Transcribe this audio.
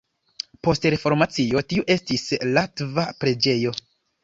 Post Reformacio tiu estis latva preĝejo.